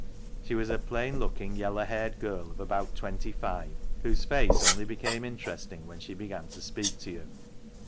She was a plain looking, yellow haired girl of about twenty five, whose face only became interesting when she began to speak to you.